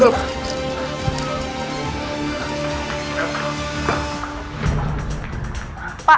pak apa benar bapak